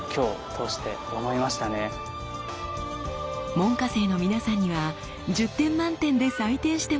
門下生の皆さんには１０点満点で採点してもらいました。